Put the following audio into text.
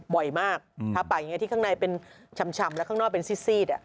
บ่อยมากถ้าไปอย่างนี้ที่ข้างในเป็นชำแล้วข้างนอกเป็นซีด